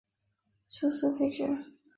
初速可以指